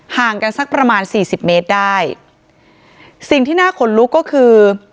ห่างกันสักประมาณสี่สิบเมตรได้สิ่งที่น่าขนลุกก็คือ